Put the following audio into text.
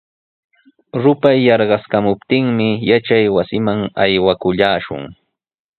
Rupay yarqaskamuptinmi yachaywasiman aywakullaashun.